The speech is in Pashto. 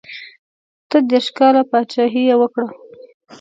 اته دېرش کاله پاچهي یې وکړه.